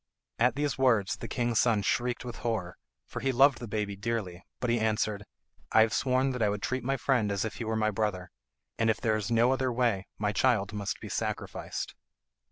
At these words the king's son shrieked with horror, for he loved the baby dearly, but he answered, "I have sworn that I would treat my friend as if he were my brother, and if there is no other way my child must be sacrificed."